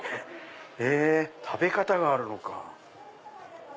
へぇ食べ方があるのか。